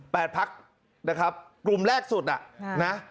พักนะครับกลุ่มแรกสุดน่ะนะ